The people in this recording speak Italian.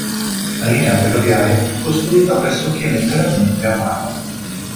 La linea ferroviaria fu costruita pressoché letteralmente a mano.